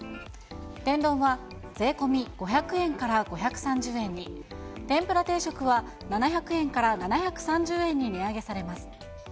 天丼は税込み５００円から５３０円に、天ぷら定食は７００円から７３０円に値上げされます。